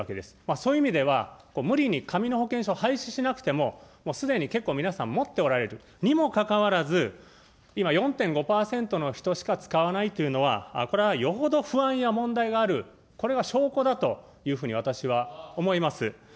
そういう意味では、無理に紙の保険証を廃止しなくても、もうすでに結構皆さん、持っておられる、にもかかわらず、今、４．５％の人しか使わないというのは、これはよほど不安や問題がある、これが証拠だというふうに私は思います。